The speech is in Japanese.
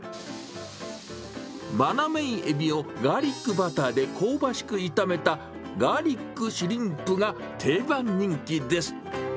バナメイエビをガーリックバターで香ばしく炒めたガーリックシュリンプが定番人気です。